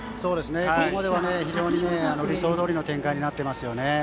ここまでは非常に理想どおりの展開になっていますよね。